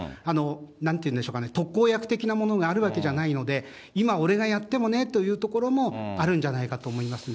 なんて言うんでしょうかね、特効薬的なものがあるわけではないので、今俺がやってもねというところもあるんじゃないかと思いますね。